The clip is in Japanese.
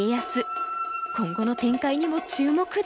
今後の展開にも注目です。